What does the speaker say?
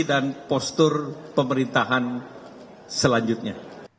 dan postur pemerintahan selanjutnya